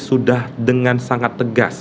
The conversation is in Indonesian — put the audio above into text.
sudah dengan sangat tegas